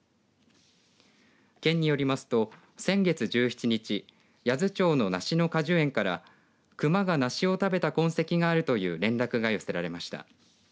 県によりますと先月１７日、八頭町の梨の果樹園からクマが梨を食べた痕跡があるという連絡が寄せられました。